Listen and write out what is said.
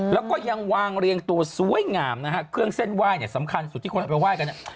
แล้วก็ยังวางเรียงตัวสวยงามนะฮะเครื่องเส้นไหว้เนี่ยสำคัญสุดที่คนเอาไปไห้กันเนี่ย